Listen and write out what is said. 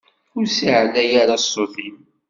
Ur ssiεlay ara ssut-im!